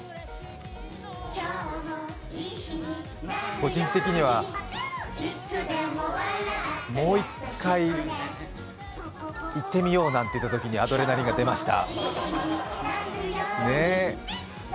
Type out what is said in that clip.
個人的には、もう一回、いってみようなんて言ったときにアドレナリンが出ました。